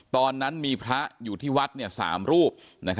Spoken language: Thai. ตอนนั้นมีพระอยู่ที่วัด๓รูป